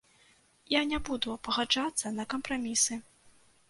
Я не буду пагаджацца на кампрамісы.